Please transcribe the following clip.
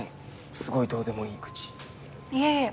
すごいどうでもいい愚痴いえいえ